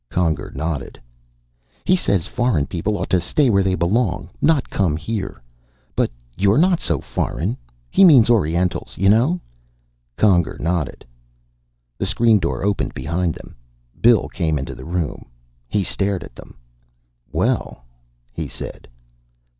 Conger nodded. "He says foreign people ought to stay where they belong, not come here. But you're not so foreign. He means orientals; you know." Conger nodded. The screen door opened behind them. Bill came into the room. He stared at them. "Well," he said.